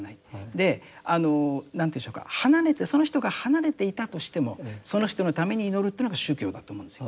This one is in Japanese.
であの何ていうんでしょうかその人が離れていたとしてもその人のために祈るというのが宗教だと思うんですよ。